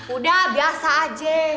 udah biasa aja